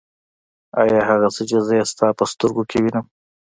آيا هغه څه چې زه يې ستا په سترګو کې وينم.